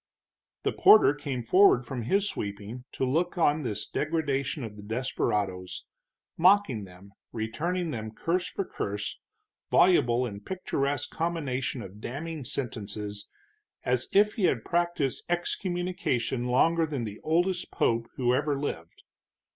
The porter came forward from his sweeping to look on this degradation of the desperados, mocking them, returning them curse for curse, voluble in picturesque combinations of damning sentences as if he had practiced excommunication longer than the oldest pope who ever lived.